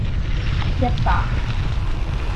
一百